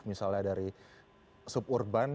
misalnya dari suburban